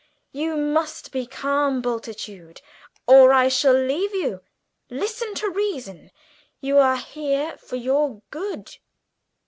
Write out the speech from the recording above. "You must be calm, Bultitude, or I shall leave you. Listen to reason. You are here for your good.